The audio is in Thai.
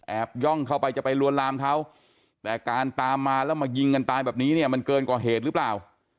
ย่องเข้าไปจะไปลวนลามเขาแต่การตามมาแล้วมายิงกันตายแบบนี้เนี่ยมันเกินกว่าเหตุหรือเปล่า